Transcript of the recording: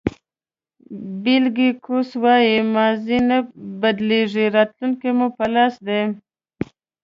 بېلي کوکس وایي ماضي نه بدلېږي راتلونکی مو په لاس دی.